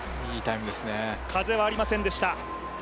風はありませんでした。